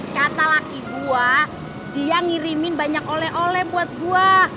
kata laki gua dia ngirimin banyak oleh ole buat gua